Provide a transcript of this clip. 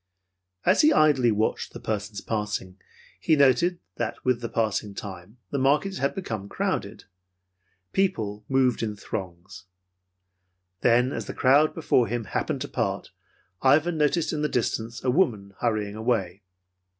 As he idly watched the persons passing, he noted that with the passing time, the market had become crowded. People moved in throngs. And then, as the crowd before him happened to part, Ivan noticed in the distance a woman hurrying away.